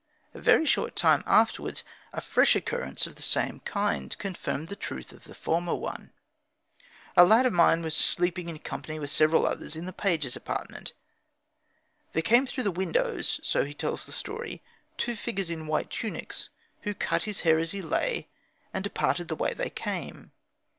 A very short time afterwards a fresh occurrence of the same kind confirmed the truth of the former one. A lad of mine was sleeping, in company with several others, in the pages' apartment. There came through the windows (so he tells the story) two figures in white tunics, who cut his hair as he lay, and departed the way they came.